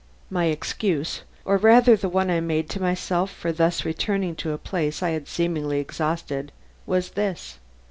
My excuse or rather the one I made to myself for thus returning to a place I had seemingly exhausted, was this.